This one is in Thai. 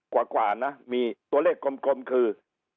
กว่านะมีตัวเลขกลมคือ